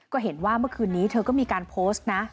ก็เห็นว่าเมื่อคืนนี้เธอก็มีการโพสต์นะ